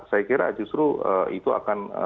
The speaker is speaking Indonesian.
saya kira justru itu akan